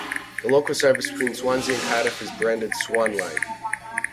The local service between Swansea and Cardiff is branded Swanline.